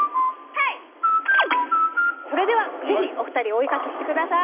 それではぜひお２人お絵描きしてください。